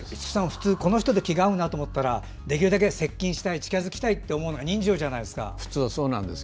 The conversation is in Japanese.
普通この人と気が合うなと思ったらできるだけ接近したい近づきたいと思うのが人情じゃないですか。